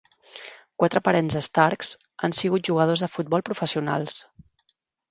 Quatre parents de Starks han sigut jugadors de futbol professionals.